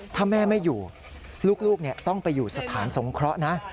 ถ้าแม่ไม่อยู่ลูกต้องไปอยู่สถานสงเคราะห์นะ